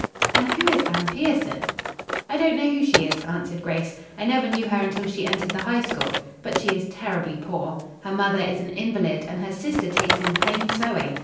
"And who is Anne Pierson?" "I don't know who she is," answered Grace. "I never knew her until she entered the High School. But she is terribly poor. Her mother is an invalid and her sister takes in plain sewing.